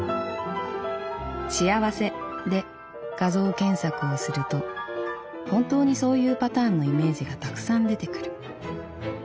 『幸せ』で画像検索をすると本当にそういうパターンのイメージがたくさん出てくる。